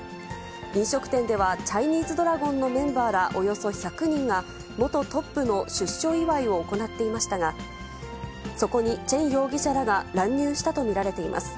飲食店ではチャイニーズドラゴンのメンバーら、およそ１００人が、元トップの出所祝いを行っていましたが、そこにちぇん容疑者らが乱入したと見られています。